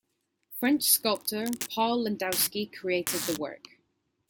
French sculptor Paul Landowski created the work.